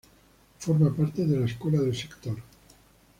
Forma parte de la Escuela del Sector.